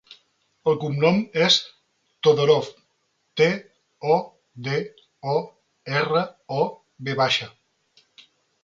El cognom és Todorov: te, o, de, o, erra, o, ve baixa.